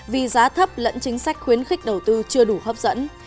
vì giá thấp lẫn chính sách khuyến khích đầu tư chưa đủ hấp dẫn